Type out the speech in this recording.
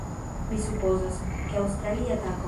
Mi supozas, ke... aŭstralia tako!